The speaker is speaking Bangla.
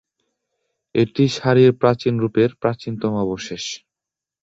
এটি শাড়ির প্রাচীন রূপের প্রাচীনতম অবশেষ।